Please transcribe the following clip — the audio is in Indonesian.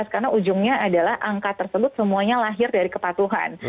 karena ujungnya adalah angka tersebut semuanya lahir dari kepatuhan